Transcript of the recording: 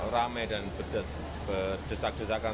rame dan berdesak desakan